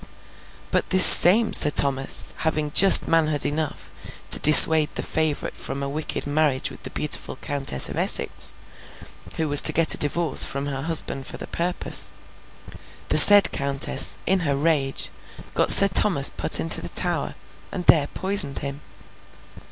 But this same Sir Thomas having just manhood enough to dissuade the favourite from a wicked marriage with the beautiful Countess of Essex, who was to get a divorce from her husband for the purpose, the said Countess, in her rage, got Sir Thomas put into the Tower, and there poisoned him.